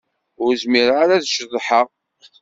Ur zmireɣ ara ad ceḍḥeɣ.